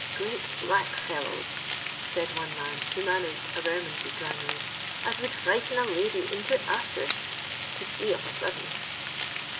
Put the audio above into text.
''Great black fellows," said one man who ma naged a Bermondsey gianary, "as would frighten a kdy into asterisks to see of a sudden."